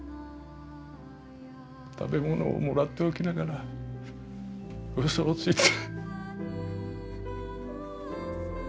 食べ物をもらっておきながらウソをついて。